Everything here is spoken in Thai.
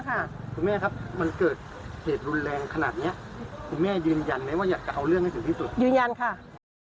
คุณแม่ครับมันเกิดเหตุรุนแรงขนาดเนี้ยคุณแม่ยืนยันไหมว่าอยากจะเอาเรื่องให้ถึงที่สุดยืนยันค่ะ